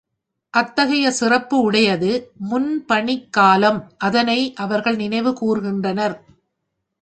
அத்தகைய சிறப்பு உடையது முன்பணிக்காலம் அதனை அவர்கள் நினைவு கூர் கின்றனர்.